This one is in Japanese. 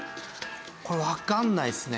これわからないですね。